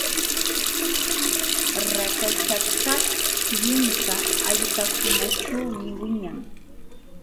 Rakachakaq yunka allpakunaćhuumi wiñan.